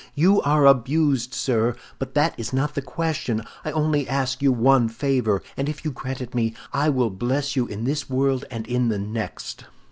You are abused, sir; but that is not the question. I only ask you one favor; and if you grant it me, I will bless you in this world and in the next."